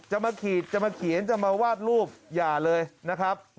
มาขีดจะมาเขียนจะมาวาดรูปอย่าเลยนะครับ